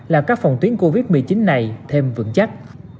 làm cách phòng tuyến covid một mươi chín này thêm vững chắc